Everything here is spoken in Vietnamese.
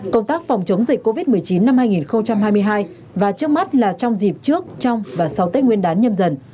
công tác phòng chống dịch covid một mươi chín năm hai nghìn hai mươi hai và trước mắt là trong dịp trước trong và sau tết nguyên đán nhâm dần